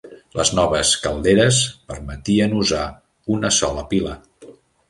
Les noves calderes permetien usar una sola pila.